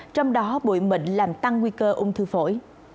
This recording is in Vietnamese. trong đó bụi mịn làm tăng nguy cơ ung thư phổi